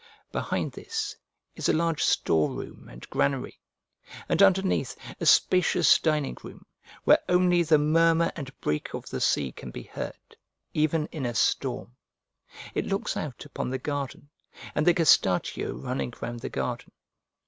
Behind this is a large store room and granary, and underneath, a spacious dining room, where only the murmur and break of the sea can be heard, even in a storm: it looks out upon the garden, and the gestatio, running round the garden.